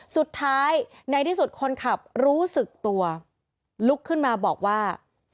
สุดท้ายในที่สุดคนขับรู้สึกตัวลุกขึ้นมาบอกว่า